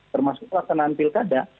termasuk pelaksanaan pilk ada